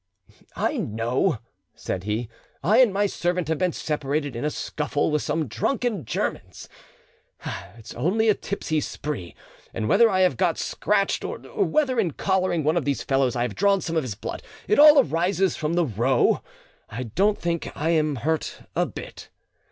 "I know," said he. "I and my servant have been separated in a scuffle with some drunken Germans; it's only a tipsy spree, and whether I have got scratched, or whether in collaring one of these fellows I have drawn some of his blood, it all arises from the row. I don't think I am hurt a bit."